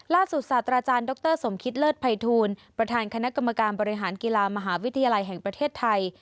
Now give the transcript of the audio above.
ศาสตราจารย์ดรสมคิตเลิศภัยทูลประธานคณะกรรมการบริหารกีฬามหาวิทยาลัยแห่งประเทศไทย